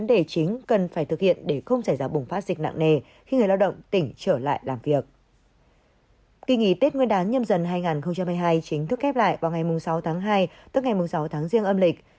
tiếp nguyên đán nhâm dần hai nghìn một mươi hai chính thức kép lại vào ngày sáu tháng hai tức ngày sáu tháng riêng âm lịch